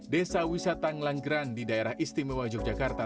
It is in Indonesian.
desa wisata ngelanggeran di daerah istimewa yogyakarta